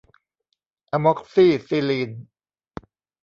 อะม็อกซี่ซิลีน